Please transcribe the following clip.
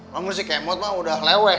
namun si kemot mah udah leweh